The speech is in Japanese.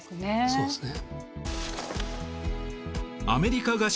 そうですね。